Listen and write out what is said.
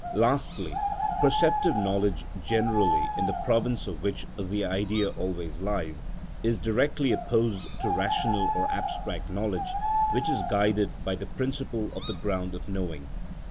Lastly, perceptive knowledge generally, in the province of which the Idea always lies, is directly opposed to rational or abstract knowledge, which is guided by the principle of the ground of knowing.